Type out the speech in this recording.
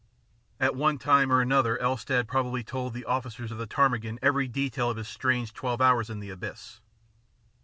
At one time or another Elstead probably told the officers of the Ptarmigan every detail of his strange twelve hours in the abyss.